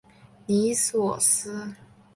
尼索斯。